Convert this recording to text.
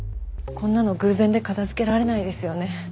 こんなの偶然で片づけられないですよね。